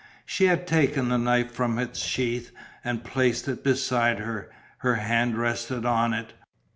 She had taken the knife from its sheath and placed it beside her, her hand rested on it.